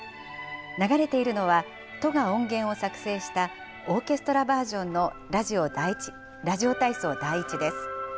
流れているのは、都が音源を作成したオーケストラバージョンのラジオ体操第１です。